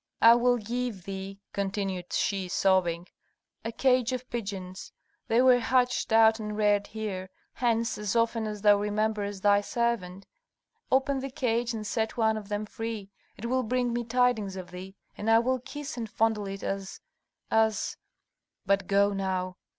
I will give thee," continued she, sobbing, "a cage of pigeons. They were hatched out and reared here; hence, as often as thou rememberest thy servant, open the cage and set one of them free; it will bring me tidings of thee, and I will kiss and fondle it as as But go now!"